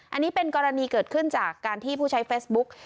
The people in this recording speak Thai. อันนี้เป็นกรณีเกิดขึ้นจากการที่ผู้ใช้เฟซบุ๊ก